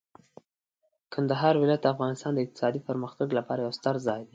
کندهار ولایت د افغانستان د اقتصادي پرمختګ لپاره یو ستر ځای دی.